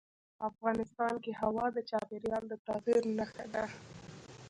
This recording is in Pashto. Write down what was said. افغانستان کې هوا د چاپېریال د تغیر نښه ده.